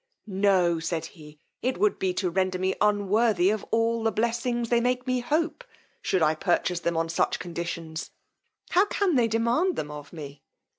No! said he, it would be to render me unworthy of all the blessings they make me hope, should I purchase them on such conditions! How can they demand them of me!